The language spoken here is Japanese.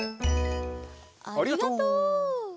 ありがとう。